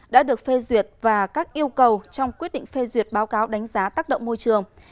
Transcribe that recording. đã được phê duyệt và các yêu cầu trong quyết định phê duyệt báo cáo đánh giá tác động môi trường